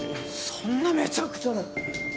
そんなめちゃくちゃな。